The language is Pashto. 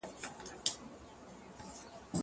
زه لاس نه پرېولم.